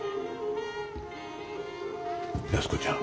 安子ちゃん。